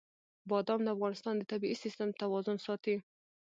بادام د افغانستان د طبعي سیسټم توازن ساتي.